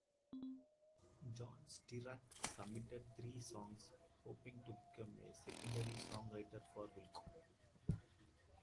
John Stirratt submitted three songs, hoping to become a secondary songwriter for Wilco.